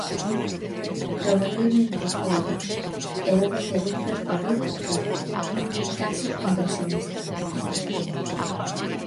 Probablemente hóuboos, e vou facer un percorrido rápido, case impresionista, da cuestión.